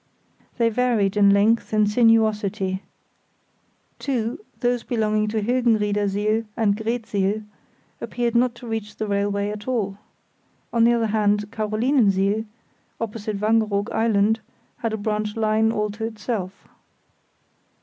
They varied in length and sinuosity. Two, those belonging to Hilgenriedersiel and Greetsiel, appeared not to reach the railway at all. On the other hand, Carolinensiel, opposite Wangeroog Island, had a branch line all to itself.